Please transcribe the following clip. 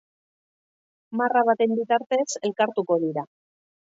Marra baten bitartez elkartuko dira.